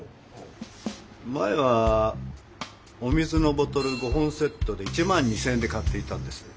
前はお水のボトル５本セットで１２０００円で買っていたんです。